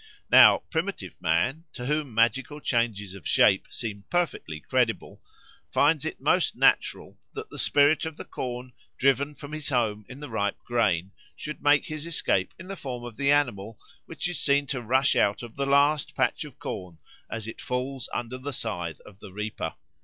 Now, primitive man, to whom magical changes of shape seem perfectly credible, finds it most natural that the spirit of the corn, driven from his home in the ripe grain, should make his escape in the form of the animal which is seen to rush out of the last patch of corn as it falls under the scythe of the reaper.